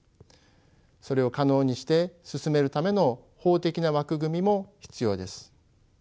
それを可能にして進めるための法的な枠組みも必要です。